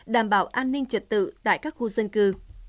đảm bảo an ninh trật tự tại các khu dân cư